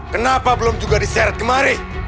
kenapa belum juga diseret kemari